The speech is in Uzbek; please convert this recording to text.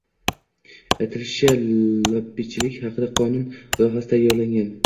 Aytilishicha, lobbichilik haqida qonun loyihasi tayyorlangan